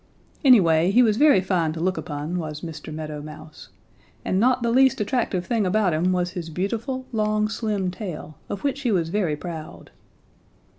"Anyway, he was very fine to look upon, was Mr. Meadow Mouse, and not the least attractive thing about him was his beautiful, long, slim tail, of which he was very proud.